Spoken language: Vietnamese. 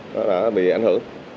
đó đã bị ảnh hưởng